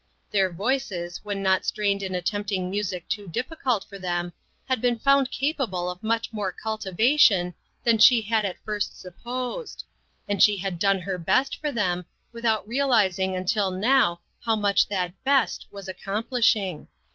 Their voices, when not strained in attempting music too difficult for them, had been found capable of much more cultivation than she had at first supposed, and she had done her best for them, without realizing until now how much that "best" was accomplishing.